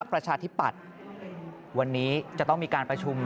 ประชาธิปัตย์วันนี้จะต้องมีการประชุม